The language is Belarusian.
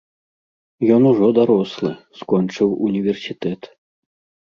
Ён ужо дарослы, скончыў універсітэт.